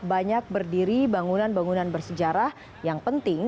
banyak berdiri bangunan bangunan bersejarah yang penting